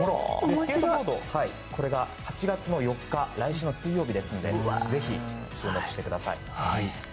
スケートボードパークは８月４日来週水曜日ですのでぜひ注目してください。